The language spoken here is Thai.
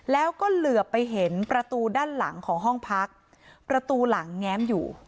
แล้วก็เหลือไปเห็นประตูด้านหลังของห้องพักประตูหลังแง้มอยู่